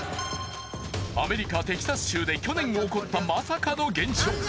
アメリカ・テキサス州で去年起こったまさかの現象。